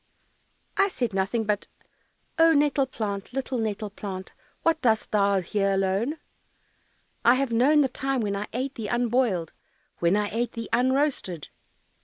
"I said nothing but, "Oh, nettle plant, Little nettle plant, What dost thou here alone? I have known the time When I ate thee unboiled, When I ate thee unroasted."